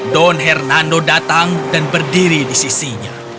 don hernando datang dan berdiri di sisinya